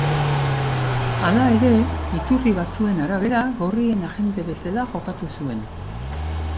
Hala ere, iturri batzuen arabera gorrien agente bezala jokatu zuen.